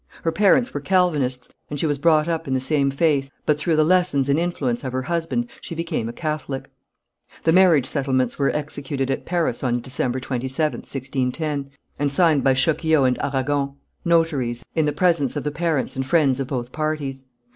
Her parents were Calvinists, and she was brought up in the same faith, but through the lessons and influence of her husband she became a Catholic. The marriage settlements were executed at Paris on December 27th, 1610, and signed by Choquillot and Arragon, notaries, in the presence of the parents and friends of both parties.